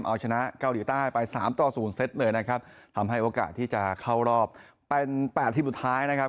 เอาชนะเกาหลีใต้ไปสามต่อศูนย์เซตเลยนะครับทำให้โอกาสที่จะเข้ารอบเป็น๘ทีมสุดท้ายนะครับ